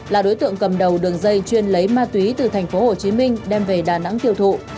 là đối tượng cầm đầu đường dây chuyên lấy ma túy từ tp hcm đem về đà nẵng tiêu thụ